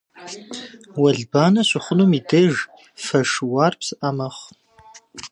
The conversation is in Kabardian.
Уэлбанэ щыхъунум и деж фэ шыуар псыӏэ мэхъу.